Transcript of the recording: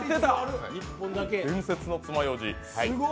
伝説のつまようじ。